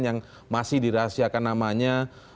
yang masih dirahasiakan namanya